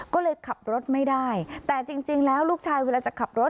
ก็เลยขับรถไม่ได้แต่จริงแล้วลูกชายเวลาจะขับรถ